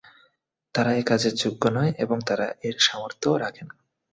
তারা এ কাজের যোগ্য নয় এবং তারা এর সামর্থ্যও রাখে না।